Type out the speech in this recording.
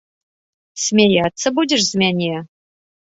Смяяцца будзеш з мяне?!